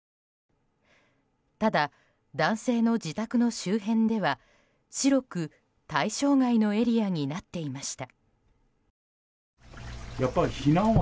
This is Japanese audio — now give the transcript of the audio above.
ただ、男性の自宅の周辺では白く、対象外のエリアになっていました。